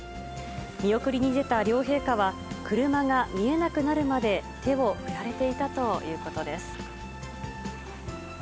見送りに出た両陛下は、車が見えなくなるまで手を振られていたということです。